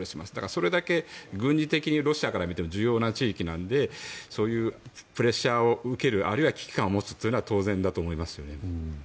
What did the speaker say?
それだけ、軍事的にロシアから見ても重要な地域なのでそういうプレッシャーを受けるあるいは危機感を持つのは当然だと思いますよね。